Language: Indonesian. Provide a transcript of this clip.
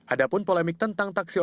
adapun polemik tentang taksi online